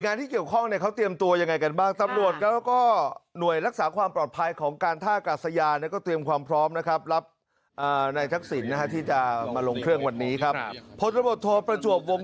หน้ายงานที่เกี่ยวข้องเนี่ยเขาเตรียมตัวอย่างไรกันบ้าง